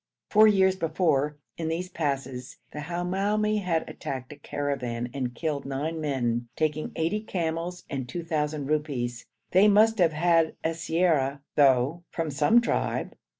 Four years before, in these passes, the Hamoumi had attacked a caravan and killed nine men, taking eighty camels and 2,000 rupees. They must have had siyara, though, from some tribe.